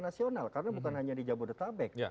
nasional karena bukan hanya di jabodetabek